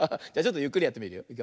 じゃちょっとゆっくりやってみるよ。